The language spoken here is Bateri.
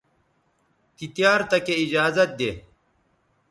تی تیار تکے ایجازت دے